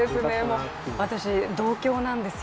私、同郷なんですよ。